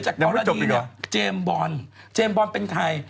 จากกรณีเนี่ยเจมบอนเป็นใคร